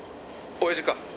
「親父か？」